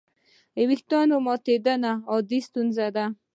د وېښتیانو ماتېدنه عادي ستونزه ده.